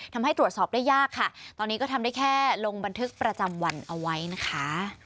ทำให้ตรวจสอบได้ยากค่ะตอนนี้ก็ทำได้แค่ลงบันทึกประจำวันเอาไว้นะคะ